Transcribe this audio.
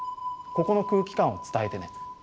「ここの空気感を伝えてね」。